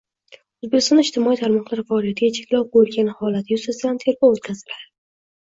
O‘zbekistonda ijtimoiy tarmoqlar faoliyatiga cheklov qo‘yilgani holati yuzasidan tergov o‘tkaziladi